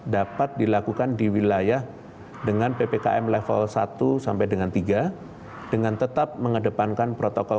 dapat dilakukan di wilayah dengan ppkm level satu sampai dengan tiga dengan tetap mengedepankan protokol